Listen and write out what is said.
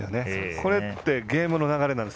これってゲームの流れなんです。